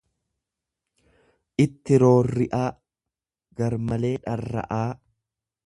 itti roorri'aa, garmalee dharra'aa.